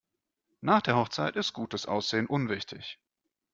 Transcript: Nach der Hochzeit ist gutes Aussehen unwichtig.